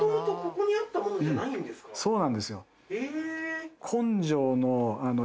そうなんですよ。え！